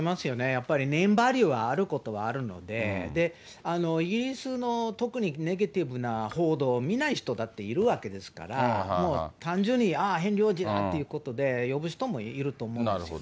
やっぱりネームバリューはあることはあるので、イギリスの特にネガティブな報道を見ない人だっているわけですから、もう単純に、ああ、ヘンリー王子だということで呼ぶ人もいると思うんですよね。